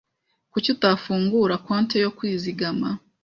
Kuki udafungura konti yo kuzigama?